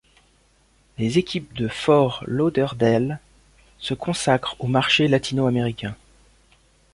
Les équipes de Fort Lauderdale se consacrent au marché latino-américain.